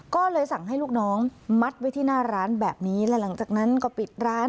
ก็เลยสั่งให้ลูกน้องมัดไว้ที่หน้าร้านแบบนี้และหลังจากนั้นก็ปิดร้าน